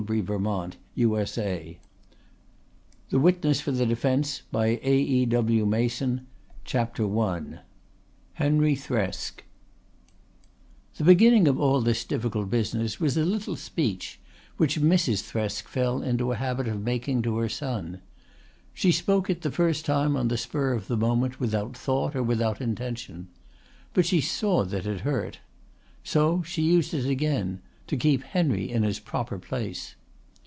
THE VERDICT THE WITNESS FOR THE DEFENCE CHAPTER I HENRY THRESK The beginning of all this difficult business was a little speech which Mrs. Thresk fell into a habit of making to her son. She spoke it the first time on the spur of the moment without thought or intention. But she saw that it hurt. So she used it again to keep Henry in his proper place.